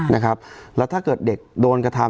นะครับแล้วถ้าเกิดเด็กโดนกระทำ